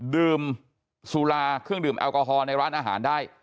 ดื่มสุราเครื่องดื่มแอลกอฮอลในร้านอาหารได้